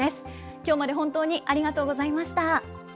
きょうまで本当にありがとうございました。